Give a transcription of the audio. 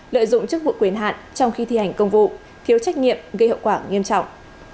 lợi dụng chức vụ quyền hạn trong khi thi hành công vụ thiếu trách nhiệm gây hậu quả nghiêm trọng